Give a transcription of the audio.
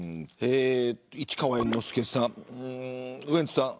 市川猿之助さん、ウエンツさん